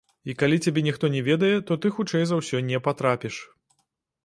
І калі цябе ніхто не ведае, то ты хутчэй за ўсё не патрапіш.